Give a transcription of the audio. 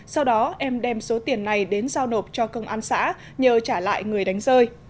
sau đó em đem số tiền này đến giao nộp cho công an xã nhờ trả lại người đánh rơi